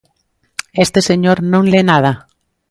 Este señor non le nada?